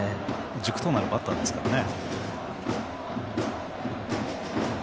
軸となるバッターですからね。